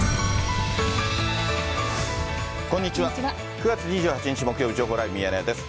９月２８日木曜日、情報ライブミヤネ屋です。